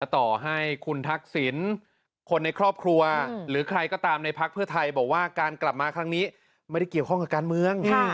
ต่อให้คุณทักษิณคนในครอบครัวหรือใครก็ตามในพักเพื่อไทยบอกว่าการกลับมาครั้งนี้ไม่ได้เกี่ยวข้องกับการเมือง